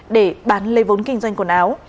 để bán lây vốn kinh doanh quần áo